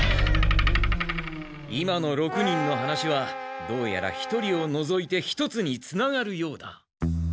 今の６人の話はどうやら１人をのぞいて一つにつながるようだ。